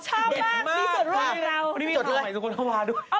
ชอบมากมีส่วนรุ่นในเรา